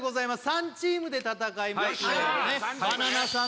３チームで戦います